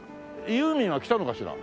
ユーミンは来たのかしら？